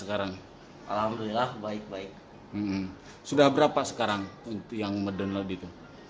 kan biasanya kalau di yang biasa tiga puluh menit